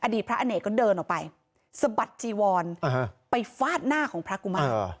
พระอเนกก็เดินออกไปสะบัดจีวรไปฟาดหน้าของพระกุมาร